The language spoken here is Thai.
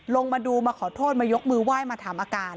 ลงมาดูมาขอโทษมายกมือไหว้มาถามอาการ